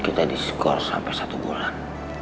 kita diskor sampai satu bulan